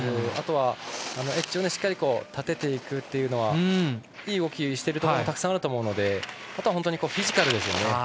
あとはエッジをしっかりと立てていくというのはいい動きをしているところたくさんあると思うのであとはフィジカルですね。